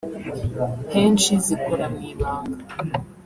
henshi zikora mu ibanga”